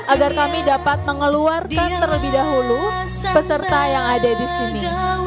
agar kami dapat mengeluarkan terlebih dahulu peserta yang ada di sini